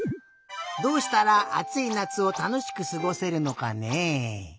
どうしたらあついなつをたのしくすごせるのかね。